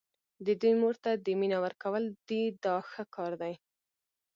د دوی مور ته دې مینه ورکول دي دا ښه کار دی.